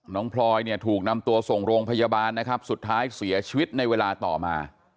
พลอยเนี่ยถูกนำตัวส่งโรงพยาบาลนะครับสุดท้ายเสียชีวิตในเวลาต่อมา